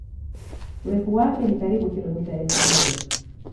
Urefu wake ni karibu kilomIta elfu moja